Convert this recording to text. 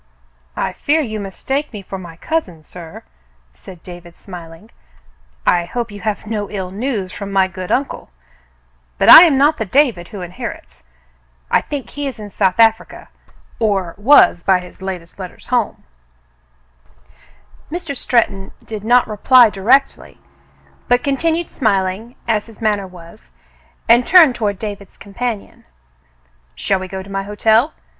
"I fear you mistake me for my cousin, sir," said David, smiling. "I hope you have no ill news from my good uncle; but I am not the David who inherits. I think he is in South Africa — or was by the latest home letters." Mr. Stretton did not reply directly, but continued smiling, as his manner was, and turned toward David's companion. "Shall we go to my hotel